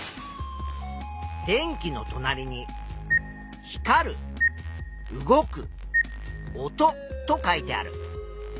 電気のとなりに「光る」「動く」「音」と書いてある。